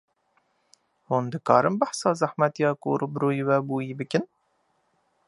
Hûn dikarin behsa zehmetya ku rûbirûyê we bûyî bikin?